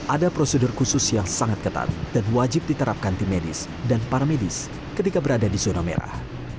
ada prosedur khusus yang sangat ketat dan wajib diterapkan tim medis dan para medis ketika berada di zona merah